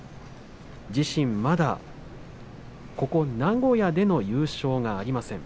自身、まだ名古屋での優勝がありません。